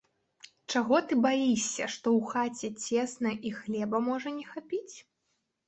Чаго ты баішся, што ў хаце цесна і хлеба можа не хапіць?